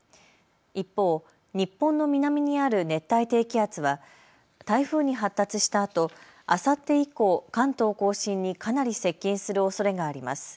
一方、日本の南にある熱帯低気圧は台風に発達したあと、あさって以降、関東甲信にかなり接近するおそれがあります。